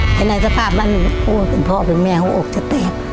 ไหนไหนสภาพมันโอ้เป็นพ่อเป็นแม่โอ้ออกจะเต็บ